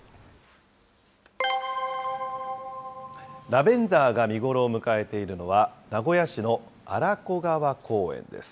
ラベンダーが見頃を迎えているのは、名古屋市の荒子川公園です。